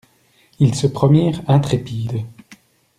Ils se promirent intrépides.